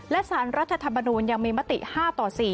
และสารรัฐธรรมนูลยังมีมติ๕ต่อ๔